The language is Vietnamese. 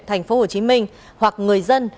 tp hcm hoặc người dân